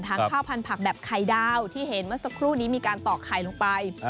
ข้าวพันธุ์แบบไข่ดาวที่เห็นเมื่อสักครู่นี้มีการตอกไข่ลงไป